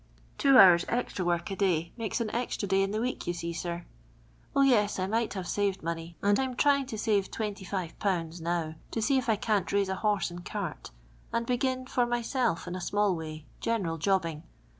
Two hours extra work a day makes au exirn day in tin* Week, you soe, sir. O, ye?, I might have >av«'d money, and I 'in trying to ?avc 'Ibf. now to see if I cant niise a horse and cart, and begin for my f elf in a small way, general jnbbinif.